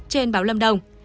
trên báo lâm đồng